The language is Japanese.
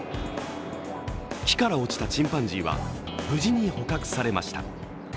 木から落ちたチンパンジーは無事に捕獲されました。